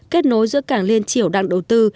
kết nối giữa cảng liên triểu đảng đầu tư